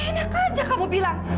enak aja kamu bilang